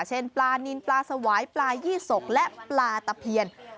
เช่นปลานินปลาสวายปลายี่สกและปลาตะเพียน